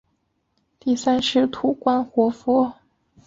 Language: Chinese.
第三世土观活佛。